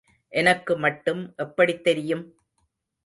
எனக்கு மட்டும் எப்படித் தெரியும்?...